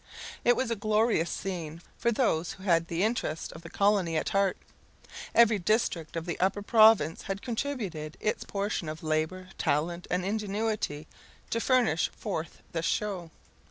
It was a glorious scene for those who had the interest of the colony at heart. Every district of the Upper Province had contributed its portion of labour, talent, and ingenuity, to furnish forth the show.